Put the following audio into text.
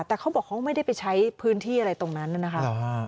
แต่เขาบอกเขาไม่ได้ไปใช้พื้นที่อะไรตรงนั้นนะครับ